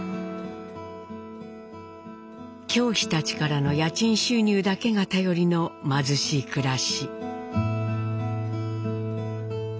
教師たちからの家賃収入だけが頼りの貧しい暮らし。